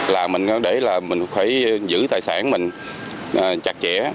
là mình để là mình phải giữ tài sản mình chặt chẽ